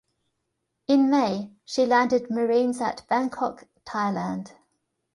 In May she landed Marines at Bangkok, Thailand.